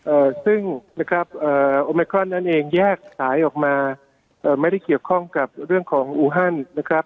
เอ่อซึ่งนะครับเอ่อโอเมครอนนั้นเองแยกสายออกมาเอ่อไม่ได้เกี่ยวข้องกับเรื่องของอูฮันนะครับ